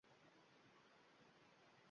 Shuningdek, muvaffaqiyatsiz